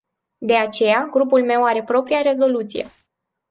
De aceea, grupul meu are propria rezoluție.